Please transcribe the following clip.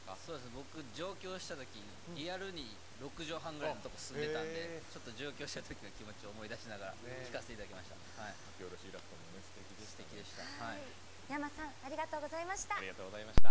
僕、上京したときリアルに６畳半ぐらいのところに住んでたのでちょっと上京したときの気持ちを思い出しながら聴かせてもらいました。